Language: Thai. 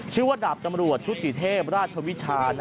ชื่อว่าดาบตำรวจชุติเทพราชวิชา